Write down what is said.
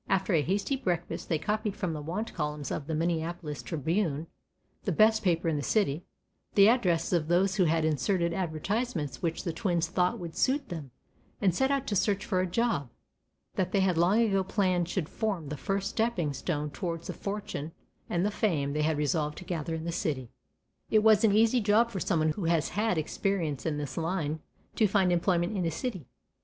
After a hasty breakfast, they copied from the want columns of the Minneapolis Tribune, the best paper in the city, the addresses of those who had inserted advertisements which the twins thought would suit them, and set out to search for a job, that they had long ago planned should form the first stepping stone towards the fortune and the fame they had resolved to gather in the city. It is an easy job for someone who has had experience in this line to find employment in a city.